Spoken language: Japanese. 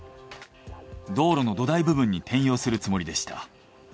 道路の土台部分に転用するつもりでした。